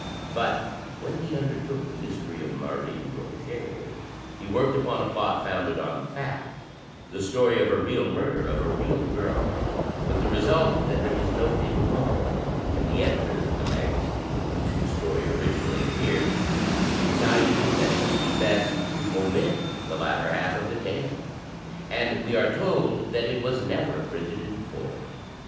But when he undertook "The Mystery of Marie R6get" he worked upon a plot founded on fact; the story of a real murder of a real girl, with the result that there was no dinauement, and the editors of the magazine in which the 74 THE TECHNIQUE OF THE MYSTERY STORY Story originally appeared, decided that it would be best to '^ omit the latter half of the tale, and we are told that it wp^ never printed in full.